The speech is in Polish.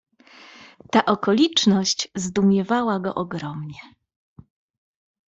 "Ta okoliczność zdumiewała go ogromnie."